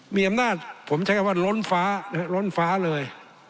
มีอำนาจผมใช้คำว่าล้นฟ้าล้นฟ้าเลย